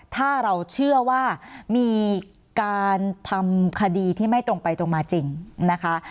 ถ้าเราเชื่อว่ามีการทำคดีที่ไม่ตรงไปตรงมาจริงนะคะ